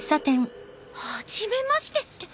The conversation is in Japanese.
「初めまして」って。